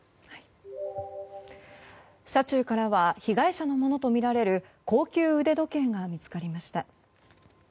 車中からは被害者のものとみられる高級腕時計が見つかりました。